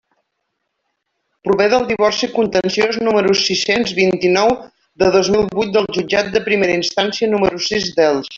Prové del divorci contenciós número sis-cents vint-i-nou de dos mil huit del Jutjat de Primera Instància número sis d'Elx.